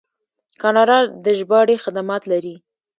کاناډا د ژباړې خدمات لري.